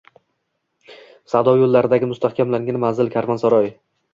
.Savdo yo‘llaridagi mustahkamlangan manzil, karvonsaroy.